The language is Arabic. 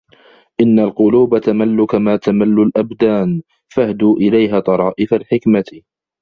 إنَّ الْقُلُوبَ تَمَلُّ كَمَا تَمَلُّ الْأَبْدَانُ فَاهْدُوا إلَيْهَا طَرَائِفَ الْحِكْمَةِ